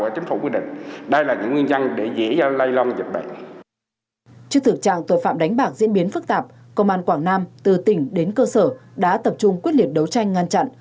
trong thời gian diễn biến phức tạp công an quảng nam từ tỉnh đến cơ sở đã tập trung quyết liệt đấu tranh ngăn chặn